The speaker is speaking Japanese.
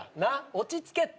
落ち着けって！